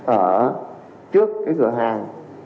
ở trước cái cửa hàng